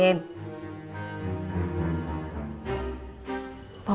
kamu masih main game